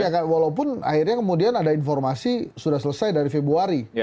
ya walaupun akhirnya kemudian ada informasi sudah selesai dari februari